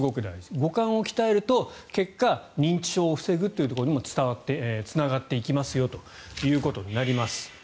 五感を鍛えると、結果認知症を防ぐというところにもつながっていきますよということになります。